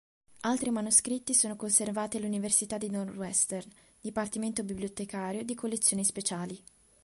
Altri manoscritti sono conservati all'Università di Northwestern, dipartimento bibliotecario di collezioni speciali.